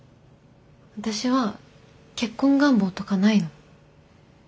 私は結婚願望とかないの。